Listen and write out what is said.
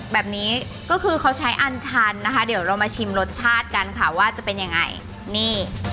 แบบนี้ก็คือเขาใช้อันชันนะคะเดี๋ยวเรามาชิมรสชาติกันค่ะว่าจะเป็นยังไงนี่